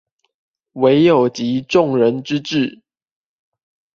唯有集眾人之智